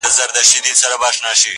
زه چي په هره چهارشنبه يو ځوان لحد ته_